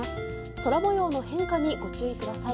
空模様の変化にご注意ください。